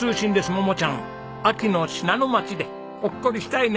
桃ちゃん秋の信濃町でほっこりしたいね！